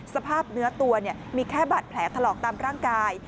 สภาพเนื้อตัวมีแค่บาดแผลถลอกตามร่างกาย